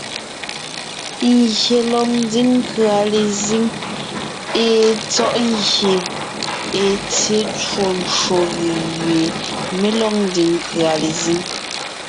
Ngyè lɔg ńdiŋ nkʉ̀a lezíŋ èe tsɔ̀ʼ gie è tsyé twó ncwò gʉ̀ gẅie mé lɔg ńdiŋ nkʉ̀a lezíŋ.